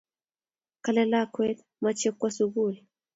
Kale lakwet mache kwo sukul